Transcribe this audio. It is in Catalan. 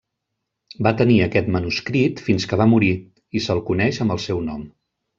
Va tenir aquest manuscrit fins que va morir, i se'l coneix amb el seu nom.